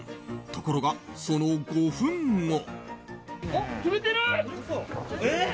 ところが、その５分後。